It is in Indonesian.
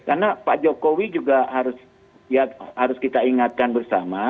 karena pak jokowi juga harus kita ingatkan bersama